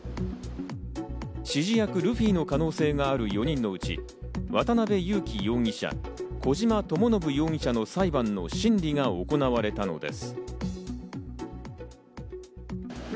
指示役・ルフィの可能性がある４人のうち、渡辺優樹容疑者、小島智信容疑者の裁判の審理が行われたのです。